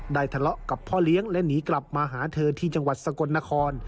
ทะเลาะกับพ่อเลี้ยงและหนีกลับมาหาเธอที่จังหวัดสกลนคร